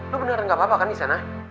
lu beneran gak apa apa kan di sana